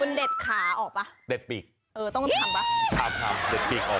คุณเด็ดขาออกป่ะเด็ดปีกเออต้องทำป่ะทำทำเด็ดปีกออก